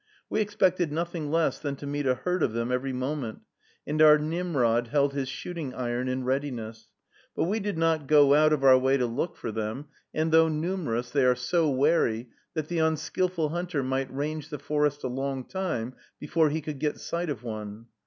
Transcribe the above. We expected nothing less than to meet a herd of them every moment, and our Nimrod held his shooting iron in readiness; but we did not go out of our way to look for them, and, though numerous, they are so wary that the unskillful hunter might range the forest a long time before he could get sight of one.